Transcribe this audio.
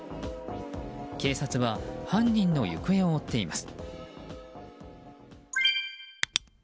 警察は犯人の行方を追っています。